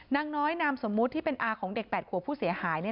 นางน้อยนามสมมุติที่เป็นอาของเด็ก๘ขวบผู้เสียหาย